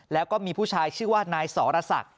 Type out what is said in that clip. แล้วก็มีผู้ชายชื่อว่านายสรษัก